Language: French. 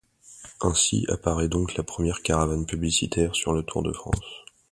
Ainsi apparaît donc la première caravane publicitaire sur le Tour de France.